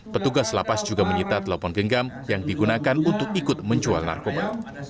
petugas lapas juga menyita telepon genggam yang digunakan untuk ikut menjual narkoba